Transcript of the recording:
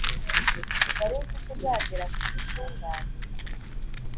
wari uziko uzagera ku butungane,